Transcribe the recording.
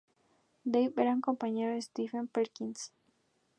Dave era compañero de Stephen Perkins.